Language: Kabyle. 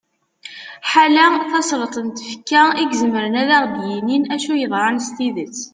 ḥala tasleḍt n tfekka i izemren ad aɣ-yinin acu yeḍran s tidet